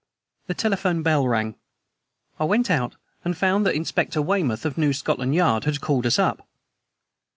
The telephone bell rang. I went out and found that Inspector Weymouth of New Scotland Yard had called us up.